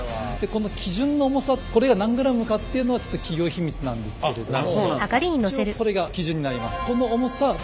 基準の重さこれが何グラムかっていうのはちょっと企業秘密なんですけれども一応これが基準になります。